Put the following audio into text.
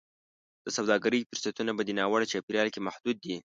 د سوداګرۍ فرصتونه په دې ناوړه چاپېریال کې محدود دي.